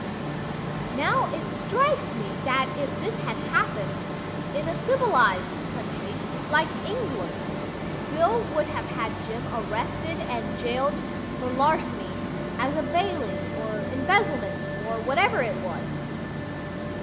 Now it strikes me that if this had happened in a civilized country (like England) Bill would have had Jim arrested and jailed for larceny as a bailee, or embezzlement, or whatever it was.